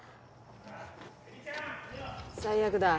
最悪だ。